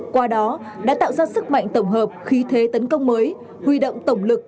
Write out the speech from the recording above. qua đó đã tạo ra sức mạnh tổng hợp khí thế tấn công mới huy động tổng lực